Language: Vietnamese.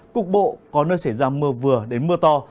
cục bộ có nơi xảy ra mưa vừa đến mưa to